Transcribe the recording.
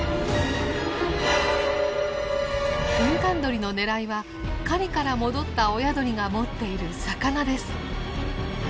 グンカンドリの狙いは狩りから戻った親鳥が持っている魚です。